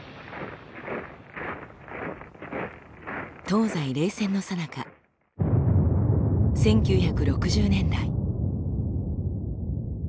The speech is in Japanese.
東西冷戦のさなか１９６０年代。